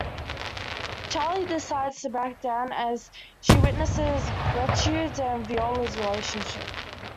Charlie decides to back-down as she witnesses Gertrude and Viola's relationship.